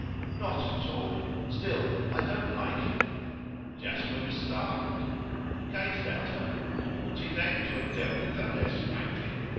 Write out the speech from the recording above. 'Not at all. Still I don't like it.' Jasper was startled. He gazed at her. Ought he, then, to have dealt with her less frankly?